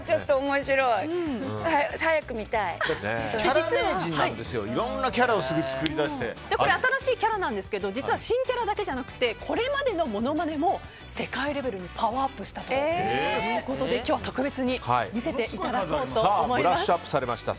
いろいろなキャラをこれ新しいキャラなんですけど実は、新キャラだけじゃなくてこれまでのものまねも世界レベルにパワーアップしたということで今日は特別にブラッシュアップされました